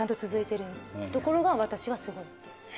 ところが私はすごいって。